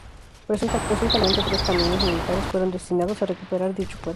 Presuntamente tres camiones militares fueron destinados a recuperar dicho cuerpo.